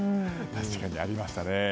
確かにありましたね。